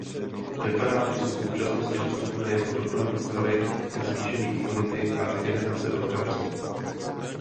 Preparáty jsou v současnosti dostupné jako doplněk stravy ke zvýšení imunity a regenerace organismu.